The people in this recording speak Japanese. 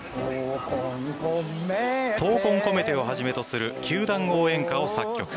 「闘魂こめて」をはじめとする球団応援歌を作曲。